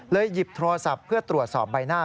หยิบโทรศัพท์เพื่อตรวจสอบใบหน้า